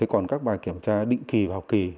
còn các bài kiểm tra định kỳ và học kỳ